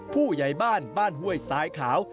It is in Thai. ผู้ใหญ่บ้านบ้านห้วยสายขาว